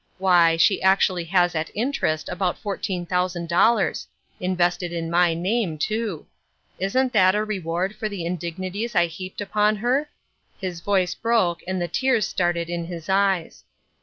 Why, she actually has at interest about fouiteen thousand dollars ; invested in my name, too. Isn't that a reward for the indignities I heaped upon her?" His voice broke, and the tears started in his eyes.